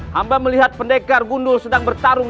hamba melihat pendekar gundul sedang bertarung